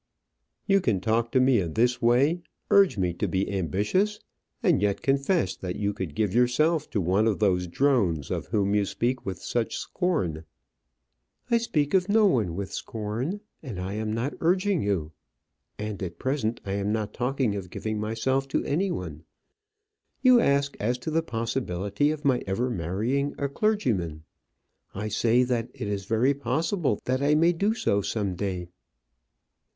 "You can talk to me in this way, urge me to be ambitious, and yet confess that you could give yourself to one of those drones of whom you speak with such scorn." "I speak of no one with scorn; and I am not urging you; and at present am not talking of giving myself to any one. You ask as to the possibility of my ever marrying a clergyman; I say that it is very possible that I may do so some day."